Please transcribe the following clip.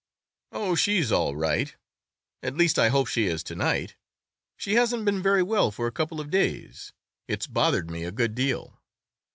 "Oh, she's all right. At least I hope she is to night—she hasn't been very well for a couple of days; it's bothered me a good deal."